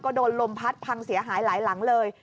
ก็โดนลมพัดพังเสียหายหลายหลังเลย